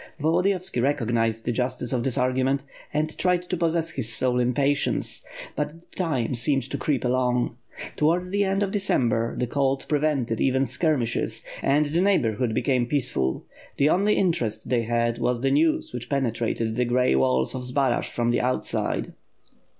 Volodiyovski recognized the justice of this argument and tried to possess his soul in patience, but the time seemed to creep along. Towards the end of December, the cold pre vented even skirmishes, and the neighborhood became peace ful. The only interest they had was the news which pene trated the gray walls of Zbaraj from the outside.